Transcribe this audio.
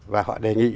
và họ đề nghị